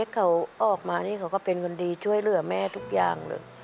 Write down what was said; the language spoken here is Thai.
เขาออกมานี่เขาก็เป็นคนดีช่วยเหลือแม่ทุกอย่างเลย